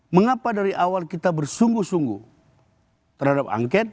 mengapa dari awal kita bersungguh sungguh terhadap angket